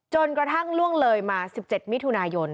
จนกระทั่งล่วงเลยมา๑๗มิถุนายน